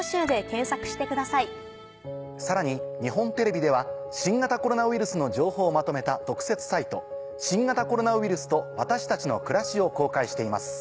さらに日本テレビでは新型コロナウイルスの情報をまとめた。を公開しています。